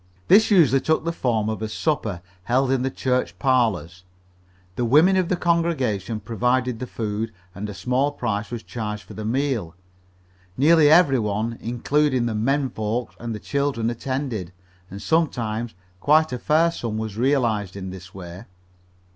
This usually took the form of a supper, held in the church parlors. The women of the congregation provided the food, and a small price was charged for the meal. Nearly every one, including the "men folks" and the children, attended, and sometimes quite a fair sum was realized in this way.